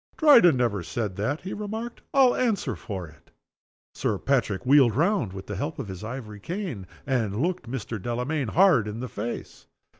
"Dryden never said that," he remarked, "I'll answer for it." Sir Patrick wheeled round with the help of his ivory cane, and looked Mr. Delamayn hard in the face.